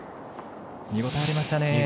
見応えありましたね。